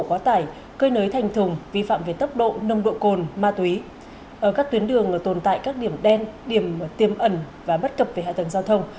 ở các tuyến đường tồn tại các điểm đen điểm tiêm ẩn và bất cập về hạ tầng giao thông